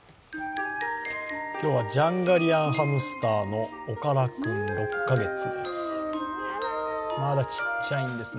今日はジャンガリアンハムスターのおから君、６カ月です。